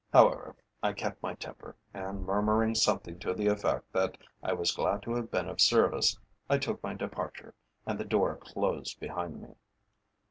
However, I kept my temper, and murmuring something to the effect that I was glad to have been of service, I took my departure, and the door closed behind me.